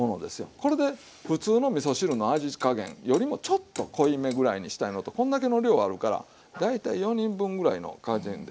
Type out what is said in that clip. これでふつうのみそ汁の味加減よりもちょっと濃いめぐらいにしたいのとこんだけの量あるから大体４人分ぐらいの加減で。